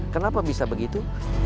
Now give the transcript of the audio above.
kenapa bisa begitu